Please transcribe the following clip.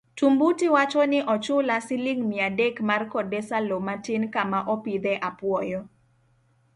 Tumbuti wacho ni ochula siling mia adek mar kodesa loo matin kama opidhe apuoyo